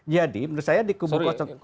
jadi menurut saya di kubu